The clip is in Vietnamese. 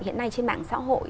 hiện nay trên mạng xã hội